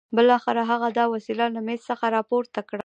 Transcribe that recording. بالاخره هغه دا وسيله له مېز څخه راپورته کړه.